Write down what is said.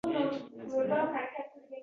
Yana bir baxtsiz hodisa